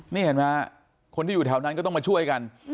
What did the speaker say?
นี่เห็นไหมฮะคนที่อยู่แถวนั้นก็ต้องมาช่วยกัน